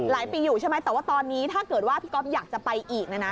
ปีอยู่ใช่ไหมแต่ว่าตอนนี้ถ้าเกิดว่าพี่ก๊อฟอยากจะไปอีกนะนะ